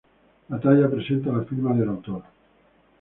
La talla presenta la firma del autor.